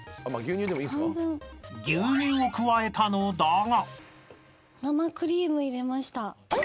［牛乳を加えたのだが］